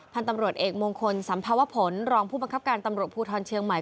พันธุ์ตำรวจเอกมงคลสัมภาวผลรองผู้บังคับการตำรวจภูทรเชียงใหม่